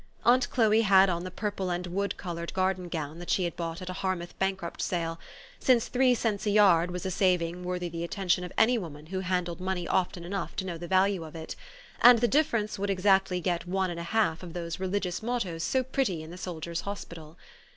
Aunt Chloe had on the purple and wood colored garden gown that she had bought at a Harniouth bankrupt sale, since three cents a yard was a saving worthy the attention of any woman who handled THE STORY OF AVIS. 133 money often enough to know the value of it ; and the difference would exactly get one and a half of those religious mottoes so pretty in the So/dier's Hospital.